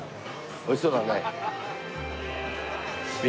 美味しそうだね。